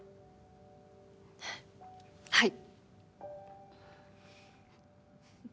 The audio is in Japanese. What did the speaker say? はい